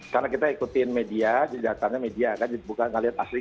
karena kita ikutin media jadi datangnya media kan bukan ngeliat aslinya